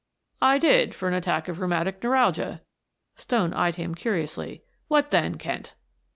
"I did, for an attack of rheumatic neuralgia." Stone eyed him curiously. "What then, Kent?"